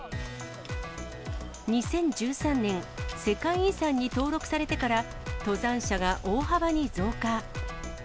２０１３年、世界遺産に登録されてから、登山者が大幅に増加。